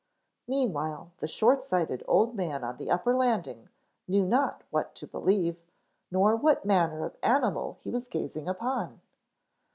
Meanwhile the short sighted old man on the upper landing knew not what to believe, nor what manner of animal he was gazing upon.